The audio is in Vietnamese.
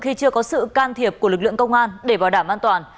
khi chưa có sự can thiệp của lực lượng công an